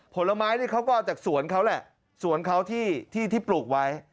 ผลไม้นี่เขาก็เอาจากสวนเขาแหละสวนเขาที่ปลูกไว้